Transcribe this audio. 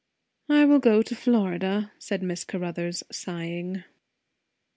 "I will go to Florida," said Mrs. Caruthers, sighing.